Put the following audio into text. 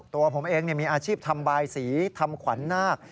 ตัวผมเองมีอาชีพทำบายสีทำขวัญนาค